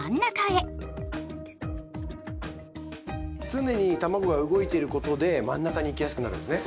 常にたまごが動いていることで真ん中にいきやすくなるんですね。